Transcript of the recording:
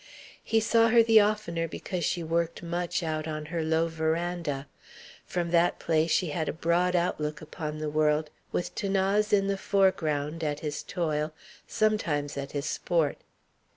He saw her the oftener because she worked much out on her low veranda. From that place she had a broad outlook upon the world, with 'Thanase in the foreground, at his toil, sometimes at his sport.